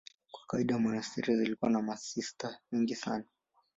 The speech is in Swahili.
Kwa kawaida monasteri zilikuwa na masista wengi sana.